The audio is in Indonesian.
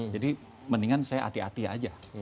jadi mendingan saya hati hati aja